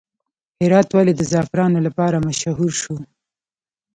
هرات ولې د زعفرانو لپاره مشهور شو؟